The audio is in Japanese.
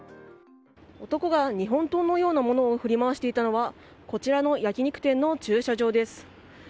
男が日本刀のようなものを振り回していたのはこちらの焼き肉店の駐車場です。